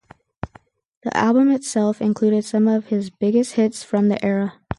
The album itself included some his biggest hits from the era.